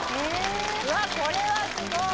うわっこれはスゴい。